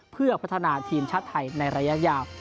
เพื่อพัฒนาทีมชาติไทยในระยะยาว